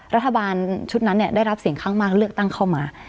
รัฐบาลชุดนั้นได้รับเสียงข้างมากเลือกตั้งเข้ามา